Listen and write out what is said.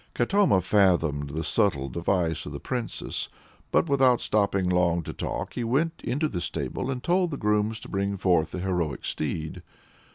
Katoma fathomed the subtle device of the Princess, but, without stopping long to talk, he went into the stable and told the grooms to bring forth the heroic steed.